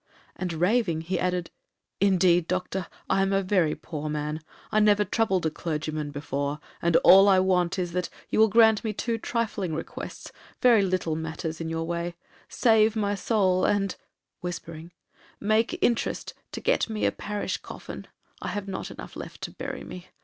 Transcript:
And, raving, he added, 'Indeed, Doctor, I am a very poor man. I never troubled a clergyman before, and all I want is, that you will grant me two trifling requests, very little matters in your way,—save my soul, and (whispering) make interest to get me a parish coffin,—I have not enough left to bury me.